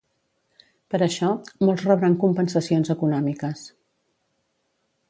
Per això, molts rebran compensacions econòmiques.